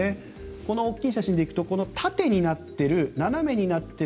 この大きい写真でいくと縦になっている斜めになっている